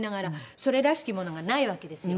それらしきものがないわけですよ。